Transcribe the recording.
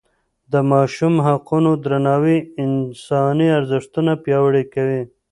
د ماشوم حقونو درناوی انساني ارزښتونه پیاوړي کوي.